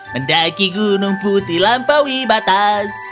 mendaki gunung putih lampaui batas